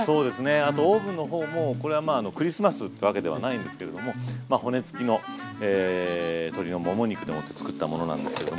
あとオーブンの方もこれはまあクリスマスってわけではないんですけれどもまあ骨付きの鶏のもも肉でもって作ったものなんですけども。